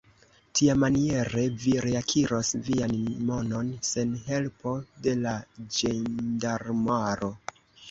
Tiamaniere, vi reakiros vian monon, sen helpo de la ĝendarmaro.